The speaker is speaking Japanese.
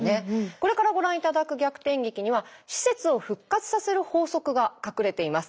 これからご覧頂く逆転劇には施設を復活させる法則が隠れています。